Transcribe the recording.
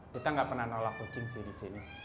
kita nggak pernah nolak kucing sih di sini